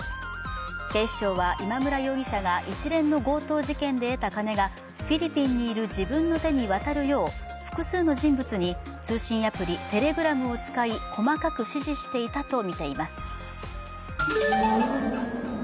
警視庁は今村容疑者が一連の強盗事件で得た金がフィリピンにいる自分の手に渡るよう、複数の人物に通信アプリ・Ｔｅｌｅｇｒａｍを使い細かく指示していたとみています。